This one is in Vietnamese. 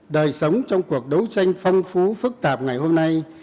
đời sống trong cuộc đấu tranh phong phú phức tạp ngày hôm nay